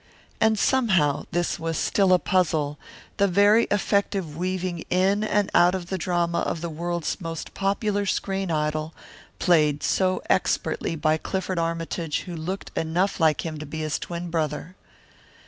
And somehow this was still a puzzle the very effective weaving in and out of the drama of the world's most popular screen idol, played so expertly by Clifford Armytage who looked enough like him to be his twin brother.